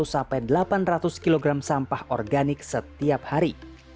sampai delapan ratus kg sampah organik setiap hari